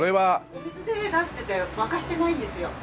お水で出してて沸かしてないんですよ。